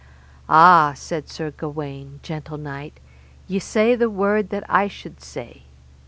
Ah, said Sir Gawaine, gentle knight, ye say the word that I should say.